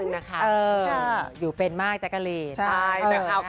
เมื่อเลย